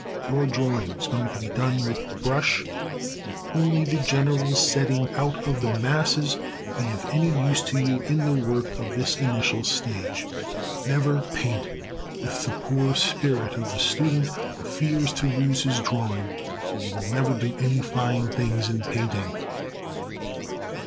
Your drawing is going to be done with the brush, and only the general setting out of the masses will be of any use to you in the work of this initial stage. Never paint with the poor spirit of the student who fears to lose his drawing, or you will never do any fine things in painting.